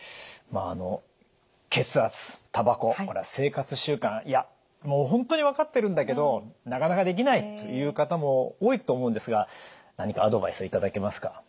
まああの血圧タバコ生活習慣いやもう本当に分かってるんだけどなかなかできないという方も多いと思うんですが何かアドバイスを頂けますか？